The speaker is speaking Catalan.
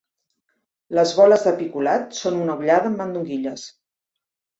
Les boles de picolat són una ollada amb mandonguilles.